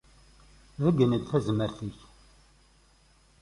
Beyyen-d tazmert-ik.